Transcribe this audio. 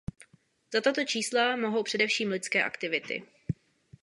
Za tato čísla mohou především lidské aktivity.